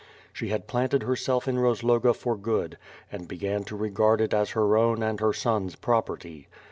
She had planted herself in Rozloga for good and began to regard it as her own and her sons' property.